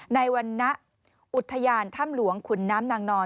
ในวรรณอุทยานถ้ำหลวงขุนน้ำนางนอน